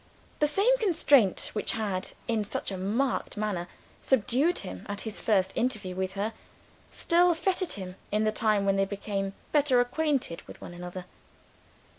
The same constraint which had, in such a marked manner, subdued him at his first interview with her, still fettered him in the time when they became better acquainted with one another.